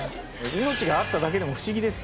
命があっただけでも不思議です。